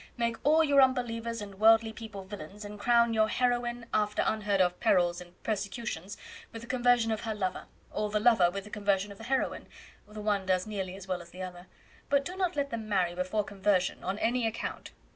Make all your unbelievers and worldly people villians, and crown your heroine, after unheard of perils and persecutions, with the conversion of her lover, or the lover with the conversion of the heroine the one does nearly as well as the other; but do not let them marry before conversion, on any account.